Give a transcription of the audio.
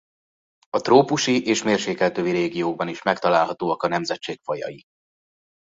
A trópusi és mérsékelt övi régiókban is megtalálhatóak a nemzetség fajai.